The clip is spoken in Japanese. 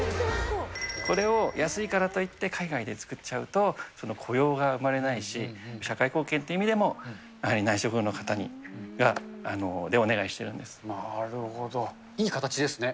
これを安いからといって海外で作っちゃうと、その雇用が生まれないし、社会貢献という意味でも、やはり内職の方に、なるほど、いい形ですね。